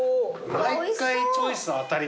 毎回チョイス当たりだね。